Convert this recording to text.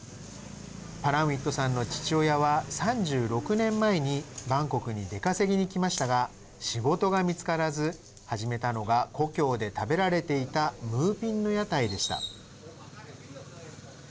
パランウィットさんの父親は３６年前にバンコクに出稼ぎに来ましたが仕事が見つからず、始めたのが故郷で食べられていたムーピンの屋台でした。